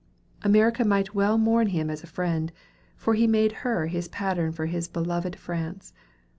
America might well mourn him as a friend, for he made her his pattern for his beloved France.